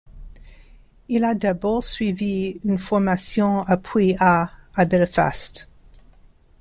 Il a d'abord suivi une formation à puis à à Belfast.